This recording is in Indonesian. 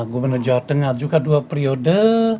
gubernur jawa tengah juga dua periode